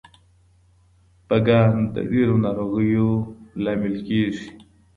پګان د ډیرو ناروغیو لامل کیږي.